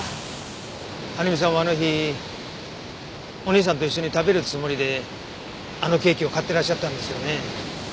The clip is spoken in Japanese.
晴美さんはあの日お兄さんと一緒に食べるつもりであのケーキを買ってらっしゃったんですよね。